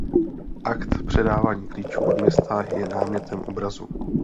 Akt předávání klíčů od města je námětem obrazu.